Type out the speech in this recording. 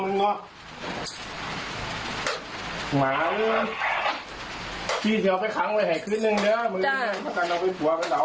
พี่จะเอาไปคั้งไว้ให้คนหนึ่งเดี๋ยวมึงแก่เอาไปตัวละครับ